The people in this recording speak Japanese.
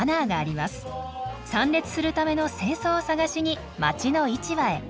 参列するための正装を探しに町の市場へ。